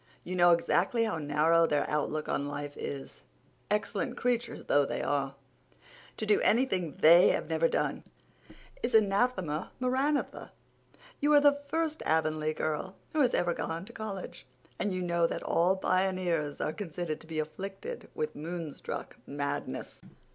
"You know exactly how narrow their outlook on life is, excellent creatures though they are. To do anything they have never done is anathema maranatha. You are the first Avonlea girl who has ever gone to college; and you know that all pioneers are considered to be afflicted with moonstruck madness."